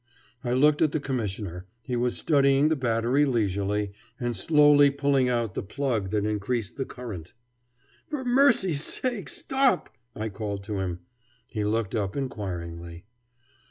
I looked at the Commissioner. He was studying the battery leisurely, and slowly pulling out the plug that increased the current. "For mercy's sake, stop!" I called to him. He looked up inquiringly.